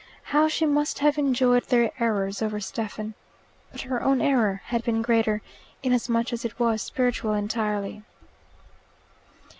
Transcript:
How she must have enjoyed their errors over Stephen! But her own error had been greater, inasmuch as it was spiritual entirely.